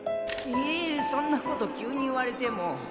えーそんなこと急に言われても